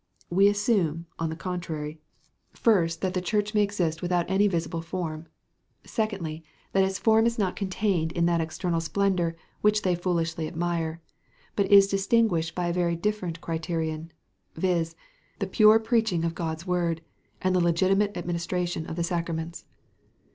We assert, on the contrary, first, that the Church may exist without any visible form; secondly, that its form is not contained in that external splendour which they foolishly admire, but is distinguished by a very different criterion, viz, the pure preaching of God's word, and the legitimate administration of the sacraments.